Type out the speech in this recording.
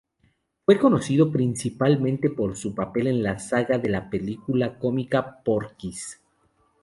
Fue conocido principalmente por su papel en la saga de la película cómica "Porky's".